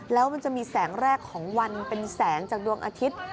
แล้วมันจะมีแสงแรกของวันเป็นแสงจากดวงอาทิตย์